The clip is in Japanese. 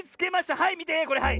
はいみてこれはい。